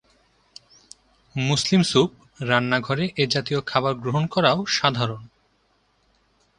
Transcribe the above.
মুসলিম soup রান্নাঘরে এ জাতীয় খাবার গ্রহণ করাও সাধারণ।